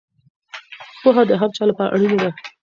پوهه د هر چا لپاره اړینه ده.